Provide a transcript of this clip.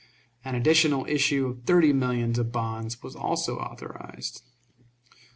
An additional issue of thirty millions of bonds was also authorized.